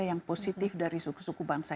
yang positif dari suku suku bangsa